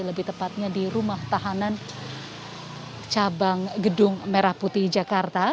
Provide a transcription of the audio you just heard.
lebih tepatnya di rumah tahanan cabang gedung merah putih jakarta